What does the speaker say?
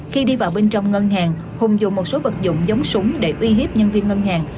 khi đi vào bên trong ngân hàng hùng dùng một số vật dụng giống súng để uy hiếp nhân viên ngân hàng